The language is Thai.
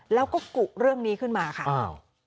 แล้วก็กุเรื่องนี้ขึ้นมาค่ะอ้าว